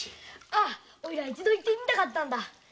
ああおいら一度行ってみたかったんだ。